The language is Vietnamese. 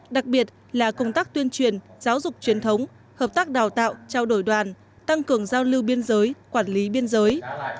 đặc biệt là công tác tuyên truyền giáo dục truyền thống hợp tác đào tạo trao đổi đoàn tăng cường giao lưu biên giới quản lý biên giới